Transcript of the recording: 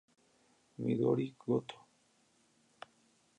Midori Gotō